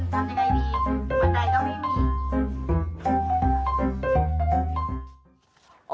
ทำยังไงดีบันไดก็ไม่มี